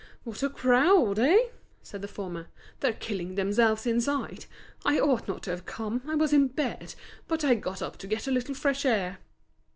"What a crowd—eh?" said the former. "They're killing themselves inside. I ought not to have come, I was in bed, but got up to get a little fresh air."